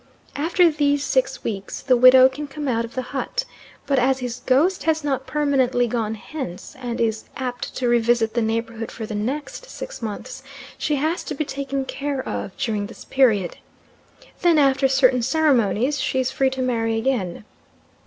After these six weeks the widow can come out of the hut, but as his ghost has not permanently gone hence, and is apt to revisit the neighbourhood for the next six months, she has to be taken care of during this period. Then, after certain ceremonies, she is free to marry again.